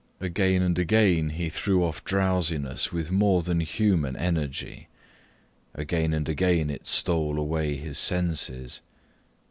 Again and again he threw off drowsiness with more than human energy; again and again it stole away his senses.